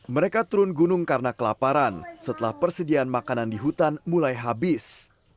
mereka turun gunung karena kelaparan setelah persediaan makanan di hutan mulai habis